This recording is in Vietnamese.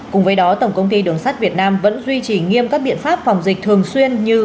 cùng với đó tổng công ty đường sắt việt nam vẫn duy trì nghiêm các biện pháp phòng dịch thường xuyên như